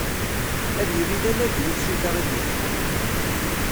Ad yili d anagi i tsuta i d-iteddun.